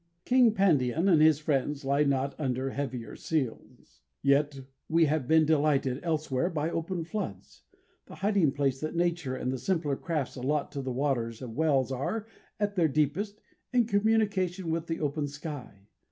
King Pandion and his friends lie not under heavier seals. Yet we have been delighted, elsewhere, by open floods. The hiding place that nature and the simpler crafts allot to the waters of wells are, at their deepest, in communication with the open sky.